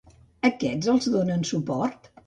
Aquests els donen suport?